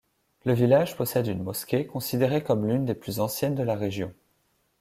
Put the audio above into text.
Le village possède une mosquée, considérée comme l'une des plus anciennes de la région.